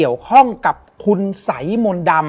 และวันนี้แขกรับเชิญที่จะมาเชิญที่เรา